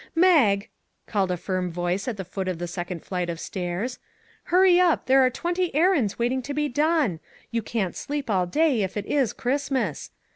" Mag !" called a firm voice at the foot of the second flight of stairs. " Hurry up ! there are twenty errands waiting to be done. You can't sleep all day, if it is Christmas.